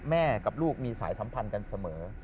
แม่กับลูกมีสายสัมพันธ์กันเสมอ